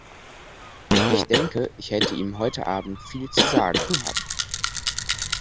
Ich denke, ich hätte ihm heute Abend viel zu sagen gehabt!